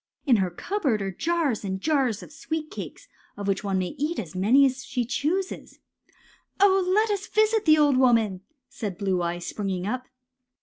In her cupboard are jars and jars of sweet cakes, of which one may eat as many as she chooses." '^ Oh, let us visit the old woman," said Blue Eyes, springing up.